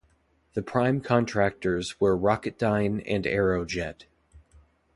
The prime contractors were Rocketdyne and Aerojet.